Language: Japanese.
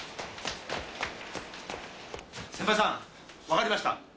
仙波さんわかりました。